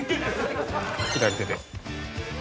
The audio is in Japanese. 左手で。